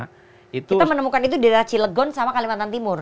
kita menemukan itu di raci legon sama kalimantan timur